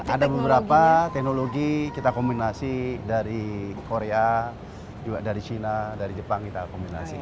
ada beberapa teknologi kita kombinasi dari korea juga dari china dari jepang kita kombinasi